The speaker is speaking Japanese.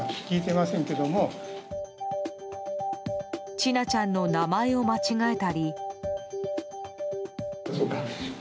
千奈ちゃんの名前を間違えたり。